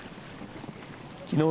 きのう